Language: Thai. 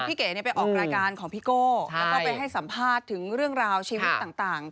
เก๋ไปออกรายการของพี่โก้แล้วก็ไปให้สัมภาษณ์ถึงเรื่องราวชีวิตต่าง